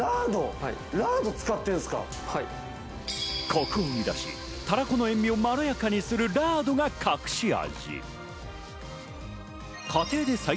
コクを生み出し、たらこの塩味をまろやかにするラードが隠し味。